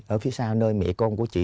ở phía sau nơi mẹ con của chị